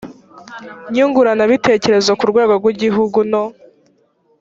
nyunguranabitekerezo ku rwego rw igihugu no